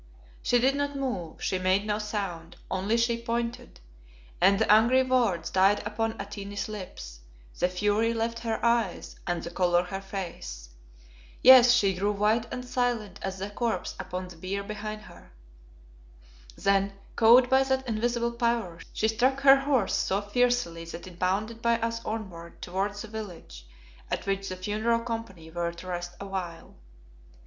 She did not move, she made no sound, only she pointed, and the angry words died upon Atene's lips, the fury left her eyes, and the colour her face. Yes, she grew white and silent as the corpse upon the bier behind her. Then, cowed by that invisible power, she struck her horse so fiercely that it bounded by us onward towards the village, at which the funeral company were to rest awhile.